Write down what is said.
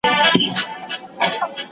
لا ترڅو به وچ په ښاخ پوري ټالېږم